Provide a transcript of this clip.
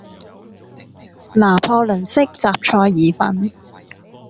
拿破崙式什菜意粉